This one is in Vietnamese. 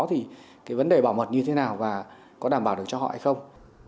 thì cái vấn đề bảo mật như thế nào và có đảm bảo được cho họ hay không